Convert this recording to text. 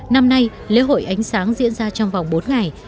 năm nay lễ hội ánh sáng diễn ra trong vòng bốn ngày